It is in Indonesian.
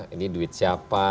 ini duit siapa